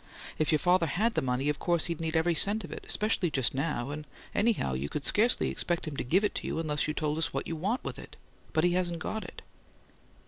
"If your father had the money, of course he'd need every cent of it, especially just now, and, anyhow, you could scarcely expect him to give it to you, unless you told us what you want with it. But he hasn't got it."